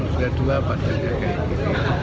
sudah tua sepantesnya kayak gini